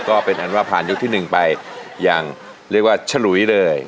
ก็เป็นอันว่าผ่านยกที่๑ไปอย่างเรียกว่าฉลุยเลย